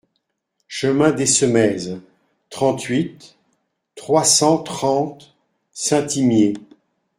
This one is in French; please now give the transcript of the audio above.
Chemin des Semaises, trente-huit, trois cent trente Saint-Ismier